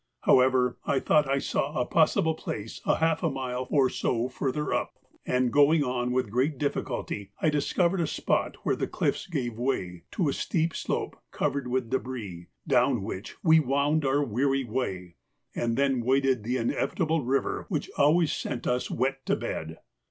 However, I thought I saw a possible place half a mile or so further up, and going on with great difficulty, I discovered a spot where the cliffs gave way to a steep slope covered with débris, down which we wound our weary way, and then waded the inevitable river which always sent us wet to bed.